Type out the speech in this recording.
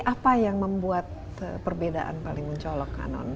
apa yang membuat perbedaan paling mencolok kanon